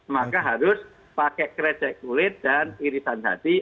maka harus pakai krecek kulit dan irisan hati